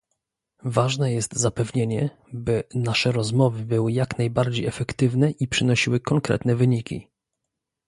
Ważne jest zapewnienie, by nasze rozmowy były jak najbardziej efektywne i przynosiły konkretne wyniki